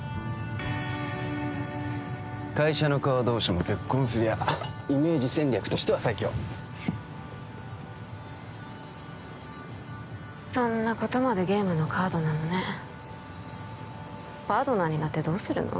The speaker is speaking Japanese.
会社の顔同士も結婚すりゃイメージ戦略としては最強そんなことまでゲームのカードなのねパートナーになってどうするの？